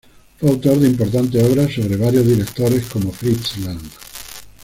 Fue autor de importantes obras sobre varios directores, como Fritz Lang.